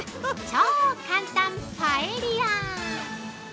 超簡単パエリア！